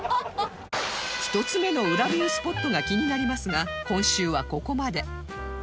１つ目の裏ビュースポットが気になりますが今週はここまで